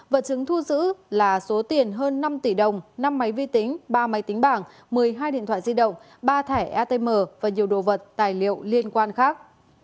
vật chứng thu giữ là số tiền hơn năm tỷ đồng năm máy vi tính ba máy tính bảng một mươi hai điện thoại di động ba thẻ atm và nhiều đồ vật tài liệu liên quan khác